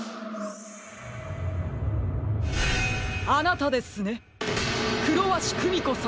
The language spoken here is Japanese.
あなたですねクロワシクミコさん。